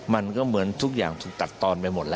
มันก็เหมือนทุกอย่างถูกตัดตอนไปหมดแล้ว